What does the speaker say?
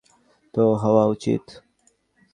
তো, হওয়া উচিত।